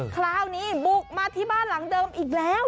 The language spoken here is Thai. คราวนี้บุกมาที่บ้านหลังเดิมอีกแล้ว